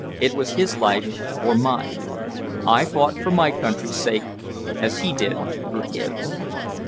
It was his life or mine. I fought for my country's sake, as he did for his."